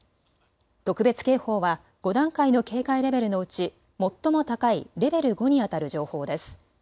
特別警報は５段階の警戒レベルのうち最も高いレベル５にあたる情報です。